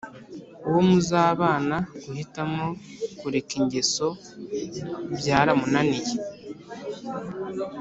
uwo muzabana guhitamo kureka ingeso byara mu naniye